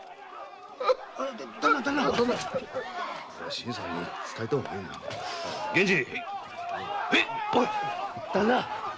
新さんに伝えた方がいいな源次！